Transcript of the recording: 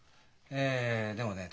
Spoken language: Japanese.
えでもね